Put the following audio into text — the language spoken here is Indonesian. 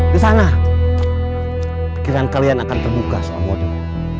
di sana pikiran kalian akan terbuka soal modu